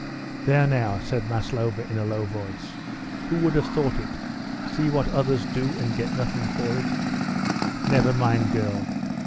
"There now," said Maslova in a low voice; "who would have thought it? See what others do and get nothing for it." "Never mind, girl.